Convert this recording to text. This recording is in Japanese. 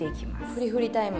ふりふりタイム。